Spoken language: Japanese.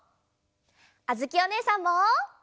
あづきおねえさんも！